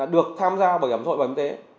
được tham gia bảo hiểm xã hội bảo hiểm y tế